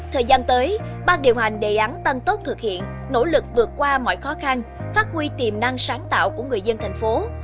thời gian tới bác điều hành đề án tăng tốt thực hiện nỗ lực vượt qua mọi khó khăn phát huy tiềm năng sáng tạo của người dân thành phố